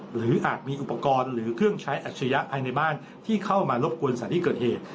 อาจมีอุปกรณ์หรือเครื่องใช้อัจฉริยะภายในบ้านที่เข้ามารบกวนสถานที่เกิดเหตุ